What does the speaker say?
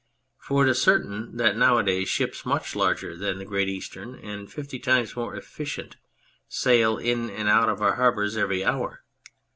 For it is certain that now a days ships much larger than the Great Eastern and fifty times more efficient sail in and out of our harbours every hour.